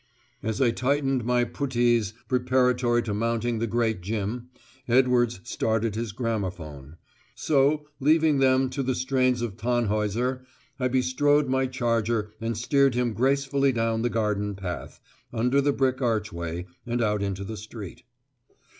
As I tightened my puttees preparatory to mounting the great Jim, Edwards started his gramophone; so leaving them to the strains of Tannhäuser, I bestrode my charger and steered him gracefully down the garden path, under the brick archway, and out into the street.